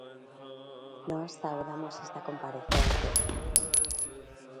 Nós saudamos esta comparecencia.